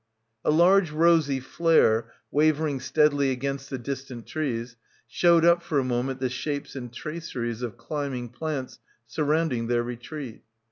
A large rosy flare, wavering steadily against the distant trees showed up for a moment the shapes and traceries of climbing plants surround ing their retreat.